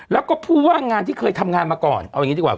แล้วก็ผู้ว่างงานที่เคยทำงานมาก่อนเอาอย่างนี้ดีกว่า